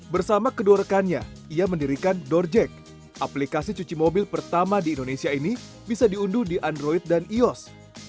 bersama kedua rekannya ia mendirikan door jack aplikasi cuci mobil pertama di indonesia ini bisa diunduh di android dan ios